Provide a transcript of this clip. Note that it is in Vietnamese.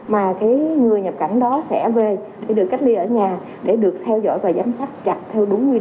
mà người nhập cảnh đó sẽ về để được cách ly ở nhà để được theo dõi và giám sát chặt theo đúng nguyên